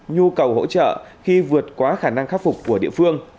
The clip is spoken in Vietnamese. nhu cầu hỗ trợ khi vượt quá khả năng khắc phục của địa phương